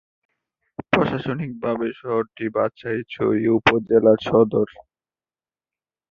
প্রশাসনিকভাবে শহরটি বাঘাইছড়ি উপজেলার সদর।